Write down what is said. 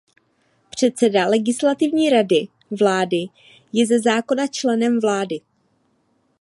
Předseda Legislativní rady vlády je ze zákona členem vlády.